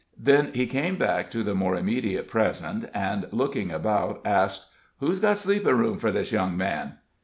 Then he came back to the more immediate present, and, looking about, asked: "Who's got sleepin' room for this young man?"